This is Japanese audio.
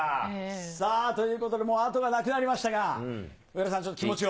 さあ、ということでもう後がなくなりましたが、上田さん、気持ちを。